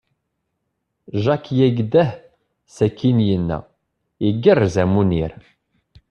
Jack yegdeh, sakin yenna: Igerrez a Munir.